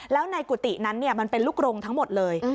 แล้วในกุฏินั้นมันเป็นลูกโรงทั้งหมดเลย